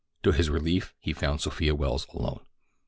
To his relief he found Sophia Welles alone.